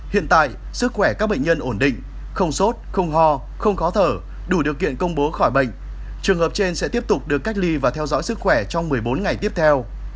hiện tại sức khỏe các bệnh nhân ổn định không sốt không ho không khó thở đủ điều kiện công bố khỏi bệnh trường hợp trên sẽ tiếp tục được cách ly và theo dõi sức khỏe trong một mươi bốn ngày tiếp theo